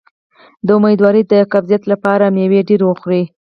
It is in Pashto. د امیدوارۍ د قبضیت لپاره میوه ډیره وخورئ